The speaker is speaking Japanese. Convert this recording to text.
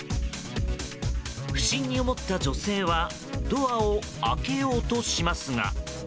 不審に思った女性はドアを開けようとしますが。